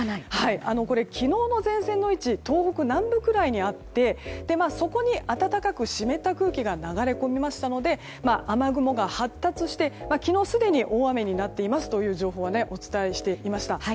これ、昨日の前線の位置ですが東北南部くらいにあってそこに暖かく湿った空気が流れ込みましたので雨雲が発達して昨日、すでに大雨になっていますという情報は、お伝えしていました。